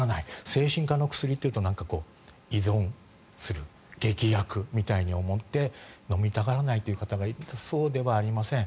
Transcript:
精神科の薬というとなんか依存する劇薬みたいに思って飲みたがらない方がいますがそうではありません。